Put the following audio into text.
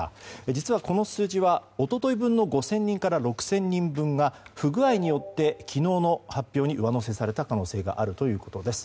実はこの数字は一昨日分の５０００人から６０００人分が不具合によって昨日の発表に上乗せされた可能性があるということです。